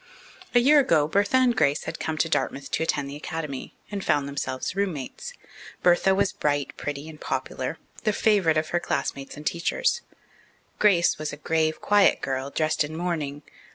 A year ago Bertha and Grace had come to Dartmouth to attend the Academy, and found themselves roommates. Bertha was bright, pretty and popular, the favourite of her classmates and teachers; Grace was a grave, quiet girl, dressed in mourning.